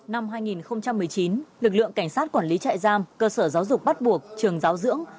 năm hai nghìn một mươi chín lực lượng cảnh sát quản lý trại giam cơ sở giáo dục bắt buộc trường giáo dưỡng